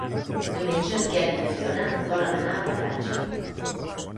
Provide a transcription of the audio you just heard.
Diumenge en Quer i na Fiona volen anar a la platja.